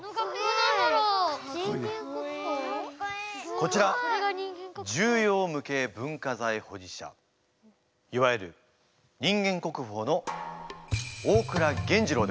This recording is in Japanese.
こちら重要無形文化財保持者いわゆる人間国宝の大倉源次郎でございます。